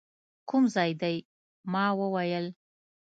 کوم ځای دی؟ ما وویل.